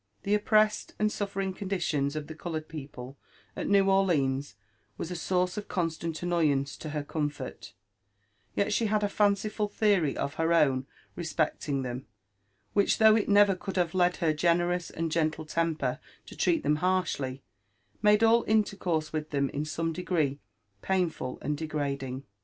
The oppressed and suf fering condition of the coloured people at New Orleans was a source of constant annoyance to her comfort; yet she had a fanciful theory of her own respecting them, which, though it never could have led her generous and gentle teihper to treat them harshly, made all intercourse with themin som6 degree painful and degrading.